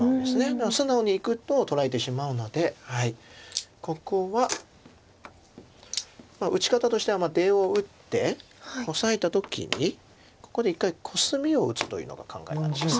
だから素直にいくと取られてしまうのでここは打ち方としては出を打ってオサえた時にここで１回コスミを打つというのが考えなんです。